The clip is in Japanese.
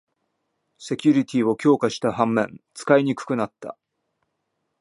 セキュリティーを強化した反面、使いにくくなった